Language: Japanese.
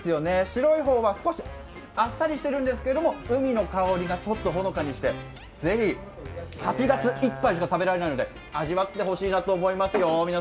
白い方は少しあっさりしているんですけれども、ウニの香りがほのかにしてぜひ、８月いっぱいしか食べられないので味わってほしいなと思いますよ。